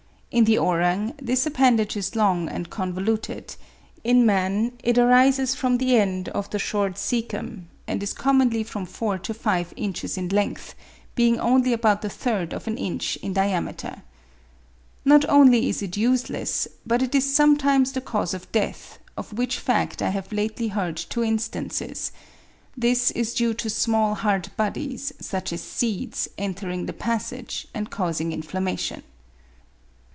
In the orang this appendage is long and convoluted: in man it arises from the end of the short caecum, and is commonly from four to five inches in length, being only about the third of an inch in diameter. Not only is it useless, but it is sometimes the cause of death, of which fact I have lately heard two instances: this is due to small hard bodies, such as seeds, entering the passage, and causing inflammation.